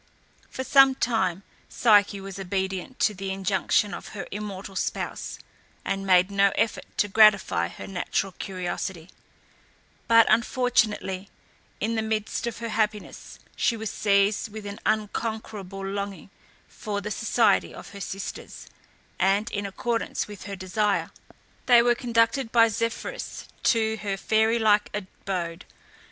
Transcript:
For some time Psyche was obedient to the injunction of her immortal spouse, and made no effort to gratify her natural curiosity; but, unfortunately, in the midst of her happiness she was seized with an unconquerable longing for the society of her sisters, and, in accordance with her desire, they were conducted by Zephyrus to her fairy like abode.